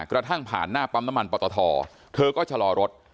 กระทั่งผ่านหน้าปั๊มน้ำมันปตทเธอก็ชะลอรถ